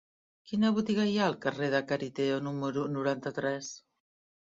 Quina botiga hi ha al carrer de Cariteo número noranta-tres?